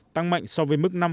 tăng mạnh so với mức năm